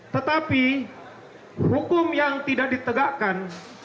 tetapi hukum yang tidak ditegakkan